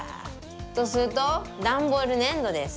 とするとダンボールねんどです。